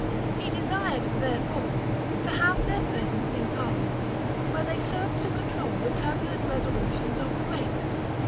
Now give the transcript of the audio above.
He desired, therefore, to have their presence in parliament, where they served to control the turbulent resolutions of the great.